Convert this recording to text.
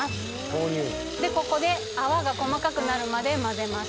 豆乳でここで泡が細かくなるまで混ぜます